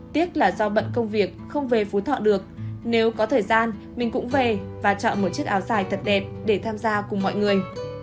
tiếc là do bận công việc không về phú thọ được nếu có thời gian mình cũng về và chọn một chiếc áo dài thật đẹp để tham gia cùng mọi người